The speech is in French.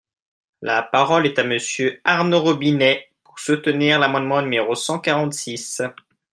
La parole est à Monsieur Arnaud Robinet, pour soutenir l’amendement numéro cent quarante-six.